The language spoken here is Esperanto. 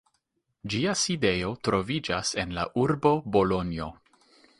Ĝia sidejo troviĝas en la urbo Bolonjo.